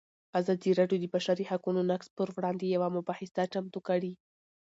ازادي راډیو د د بشري حقونو نقض پر وړاندې یوه مباحثه چمتو کړې.